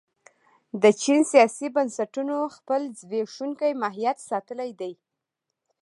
د چین سیاسي بنسټونو خپل زبېښونکی ماهیت ساتلی دی.